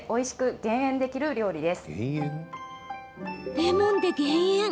レモンで減塩？